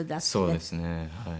そうですねはい。